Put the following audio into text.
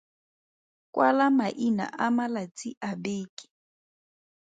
Kwala maina a malatsi a beke.